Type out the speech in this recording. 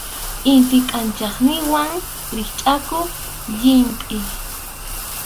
Intip kʼanchayninman rikchʼakuq llimpʼi.